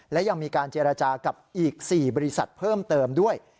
และยังมีการเจรจากับอีก๔บริษัทเพิ่มเติมด้วย